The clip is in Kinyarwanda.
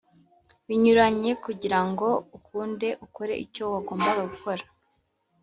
binyuranye kugira ngo ukunde ukore icyo wagombaga gukora